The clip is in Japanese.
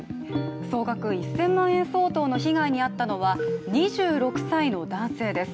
総額１０００万円相当の被害に遭ったのは２６歳の男性です。